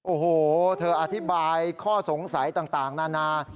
โอ้โหเธออธิบายข้อสงสัยต่างนานา